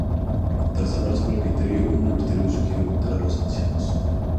Tras hablar sobre el criterio, un universitario sugiere votar a los ancianos.